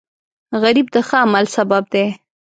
غریب د ښه عمل سبب دی